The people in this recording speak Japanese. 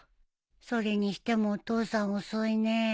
それにしてもお父さん遅いね